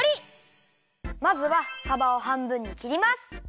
まずはさばをはんぶんにきります。